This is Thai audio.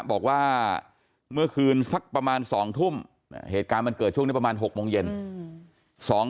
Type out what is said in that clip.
บอกว่าเมื่อคืนสักประมาณ๒ทุ่มเหตุการณ์มันเกิดช่วงนี้ประมาณ๖โมงเย็น